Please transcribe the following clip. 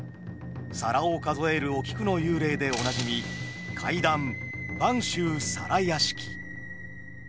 皿を数えるお菊の幽霊でおなじみ怪談「播州皿屋敷」。